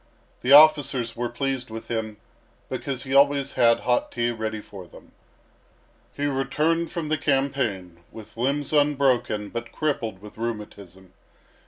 The officers were pleased with him, because he always had hot tea ready for them. He returned from the campaign with limbs unbroken but crippled with rheumatism.